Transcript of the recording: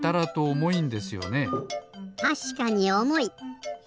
たしかにおもい！